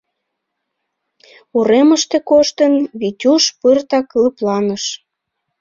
Уремыште коштын, Витюш пыртак лыпланыш.